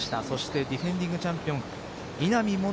そしてディフェンディングチャンピオン稲見